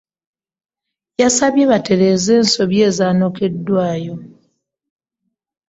Yabasabye batereze ensobi ezaanokiddwaayo.